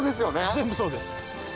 全部そうです。